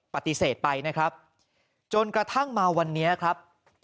ปฏิเสธไปนะครับจนกระทั่งมาวันนี้ครับ